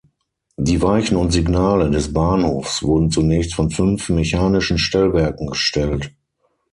Die Weichen und Signale des Bahnhofs wurden zunächst von fünf mechanischen Stellwerken gestellt.